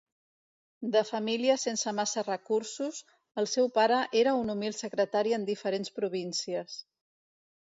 De família sense massa recursos, el seu pare era un humil secretari en diferents províncies.